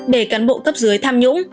để cán bộ cấp dưới tham nhũng